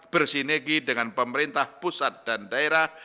bersinegi dengan pemerintah pusat dan daerah